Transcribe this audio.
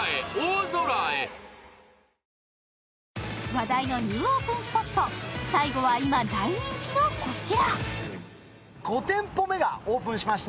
話題のニューオープンスポット、最後は今、大人気のこちら。